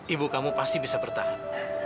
ibu kamu pasti bisa bertahan